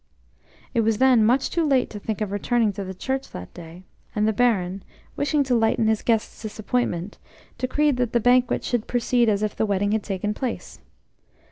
It was then much too late to think of returning to the church that day, and the Baron, wishing to lighten his guests' disappointment, decreed that the banquet should proceed as if the wedding had taken place.